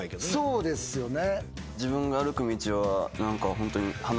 そうですよね。